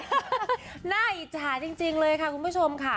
ใช่จ้าจริงเลยค่ะคุณผู้ชมค่ะ